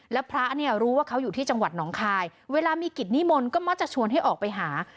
แล้วพระเนี่ยรู้ว่าเขาอยู่ที่จังหวัดหนองคายเวลามีกิจนิมนต์ก็มักจะชวนให้ออกไปหา